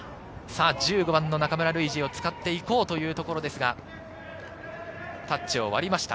１５番・中村ルイジを使っていこうというところですが、タッチを割りました。